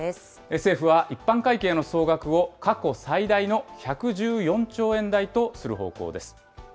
政府は一般会計の総額を、過去最大の１１４兆円台とする方向